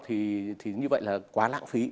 thì như vậy là quá lãng phí